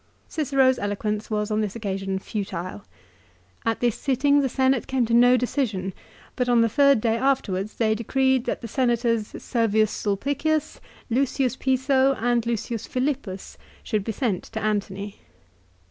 Cicero's eloquence was on this occasion futile. At this sitting the Senate came to no decision, but on the third day afterwards they decreed that the Senators, Servius Sulpicius, Lucius Piso, and Lucius Philippus should be sent to Antony.